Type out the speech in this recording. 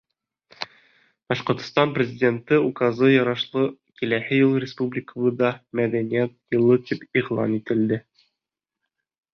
Башҡортостан Президенты Указына ярашлы киләһе йыл республикабыҙҙа Мәҙәниәт йылы тип иғлан ителде;